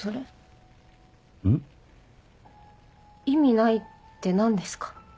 「意味ない」って何ですか？